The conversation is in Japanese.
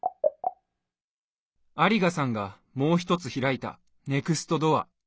有賀さんがもう一つ開いたネクストドア。